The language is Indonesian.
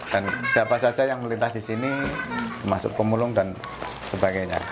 dan siapa saja yang melintas di sini masuk pemulung dan sebagainya